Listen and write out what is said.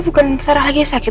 bukan sarah lagi yang sakit